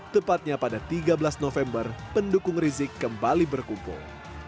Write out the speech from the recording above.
tepatnya pada tiga belas november pendukung rizik kembali berkumpul